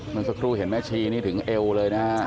เมื่อสักครู่เห็นแม่ชีนี่ถึงเอวเลยนะฮะ